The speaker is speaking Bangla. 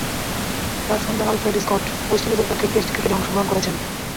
তার সন্তান আলফ্রেড স্কট ওয়েস্ট ইন্ডিজের পক্ষে টেস্ট ক্রিকেটে অংশগ্রহণ করেছেন।